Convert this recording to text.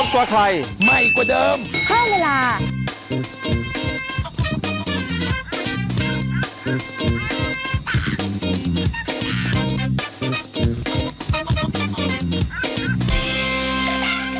โปรดติดตามตอนต่อไป